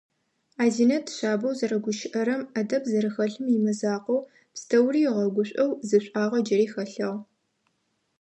Азинэт шъабэу зэрэгущыӏэрэм, ӏэдэб зэрэхэлъым имызакъоу, пстэури ыгъэгушӏоу зы шӏуагъэ джыри хэлъыгъ.